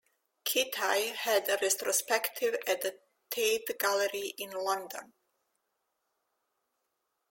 Kitaj had a retrospective at the Tate Gallery in London.